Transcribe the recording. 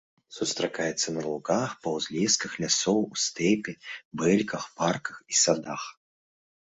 Сустракаецца на лугах, па ўзлесках лясоў, у стэпе, бэльках, парках і садах.